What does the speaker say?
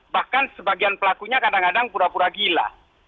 bahkan sebagian pelakunya kadang kadang pura pura gila